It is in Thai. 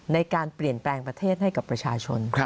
ในการเปลี่ยนแปลงประเทศให้กับประชาชน